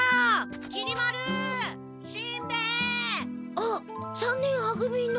あっ三年は組の。